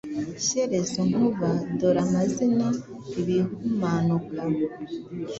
Shyerezo Nkuba, dore amazina Ibimanuka: